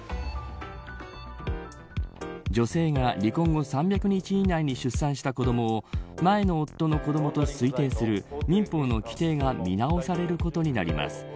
女性が離婚後３００日以内に出産した子どもを前の夫の子どもと推定する民法の規定が見直されることになります。